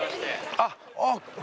あっあっ！